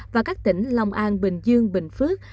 và các tỉnh lòng an bình dương bình phước